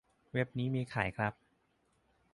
เว็บนี้มีขายครับ